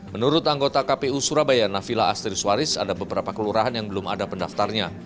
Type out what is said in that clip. menurut anggota kpu surabaya nafila astris waris ada beberapa kelurahan yang belum ada pendaftarnya